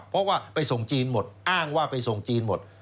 เพราะว่าไปส่งจีนหมดอ้างว่าไปส่งจีนหมด